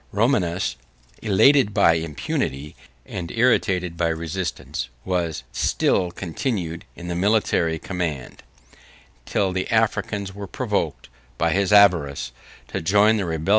Romanus, elated by impunity, and irritated by resistance, was still continued in the military command; till the Africans were provoked, by his avarice, to join the rebellious standard of Firmus, the Moor.